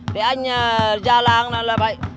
thì anh gia làng là vậy